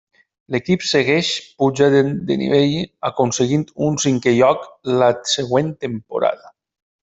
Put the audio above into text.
L'equip segueix puja de nivell aconseguint un cinquè lloc la següent temporada.